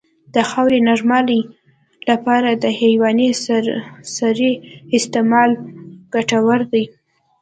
د خاورې نرموالې لپاره د حیواني سرې استعمال ګټور دی.